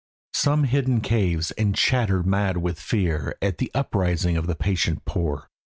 Some hid in caves and chattered mad with fear At the uprising of the patient poor.